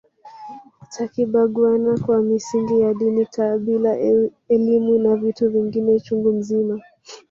Tukibaguana kwa misingi ya dini kabila elimu na vitu vingine chungu mzima